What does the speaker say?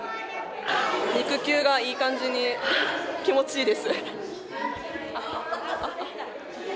肉球がいい感じに気持ちいいです。